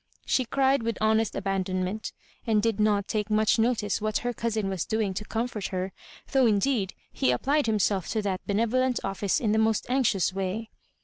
She cried with honest abandonment, and did not take much notice what her cousin was doing to comfort her, though indeed he applied himself to that benevolent office in the most anxious way.